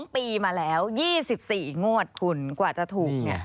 ๒ปีมาแล้ว๒๔งวดคุณกว่าจะถูก